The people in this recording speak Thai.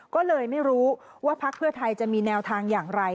ก็เลยไม่รู้ว่าพักเพื่อไทยจะมีแนวทางอย่างไร